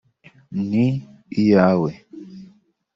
ni iyawe